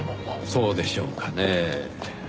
そうでしょうかねぇ。